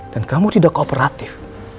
dan kamu tidak kooperatif